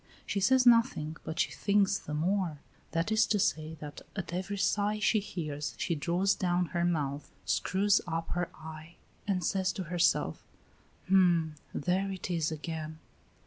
She says nothing, but she thinks the more. That is to say, that at every sigh she hears she draws down her mouth, screws up her eye, and says to herself: "Hm! there it is again."